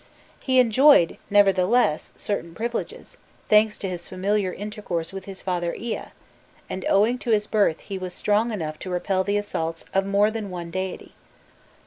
He enjoyed, nevertheless, certain privileges, thanks to his familiar intercourse with his father Ea, and owing to his birth he was strong enough to repel the assaults of more than one deity.